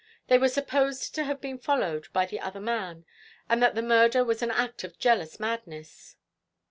They were supposed to have been followed by the other man, and that the murder was an act of jealous madness."